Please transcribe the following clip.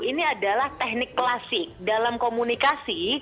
ini adalah teknik klasik dalam komunikasi